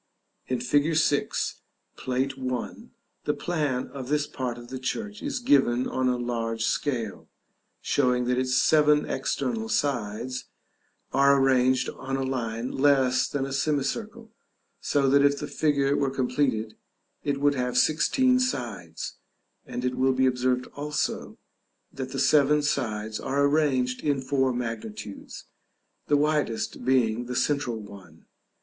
In fig. 6, Plate I. the plan of this part of the church is given on a large scale, showing that its seven external sides are arranged on a line less than a semicircle, so that if the figure were completed, it would have sixteen sides; and it will be observed also, that the seven sides are arranged in four magnitudes, the widest being the central one.